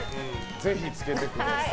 ぜひ、つけてください。